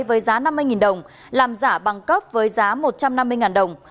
với giá năm mươi đồng làm giả băng cấp với giá một trăm năm mươi đồng